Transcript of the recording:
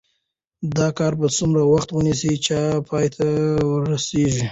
دا کار به څومره وخت ونیسي چې پای ته ورسیږي؟